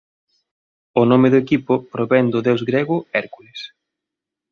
O nome do equipo provén do deus grego Hércules.